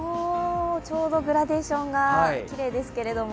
ちょうどグラデーションがきれいですけれども。